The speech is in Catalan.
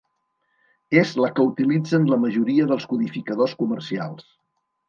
És la que utilitzen la majoria dels codificadors comercials.